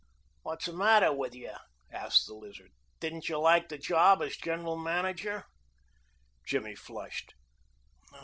"What's the matter with you?" asked the Lizard. "Didn't you like the job as general manager?" Jimmy flushed.